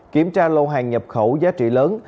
kiểm tra lô hàng nhập khẩu giá trị lớn